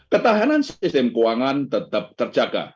ketahanan sistem keuangan tetap terjaga